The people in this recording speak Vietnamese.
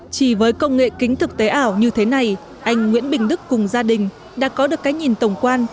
chỉ với công nghệ kính thực tế ảo như thế này anh nguyễn bình đức cùng gia đình đã có được cái nhìn tổng quan